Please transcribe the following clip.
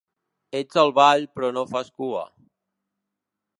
Ets al ball però no fas cua.